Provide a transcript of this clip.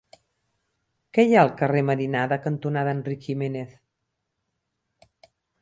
Què hi ha al carrer Marinada cantonada Enric Giménez?